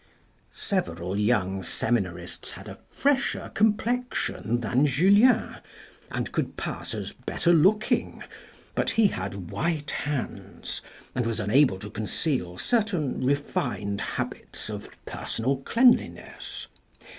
Several young seminarists had a fresher complexion than Julien, and could pass as better looking, but he had white hands, and was unable to conceal certain refined habits of personal cleanliness.